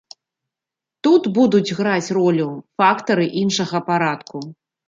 Тут будуць граць ролю фактары іншага парадку.